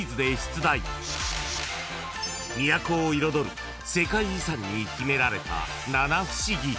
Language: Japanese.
［都を彩る世界遺産に秘められた］え。